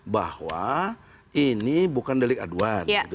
bahwa ini bukan delik aduan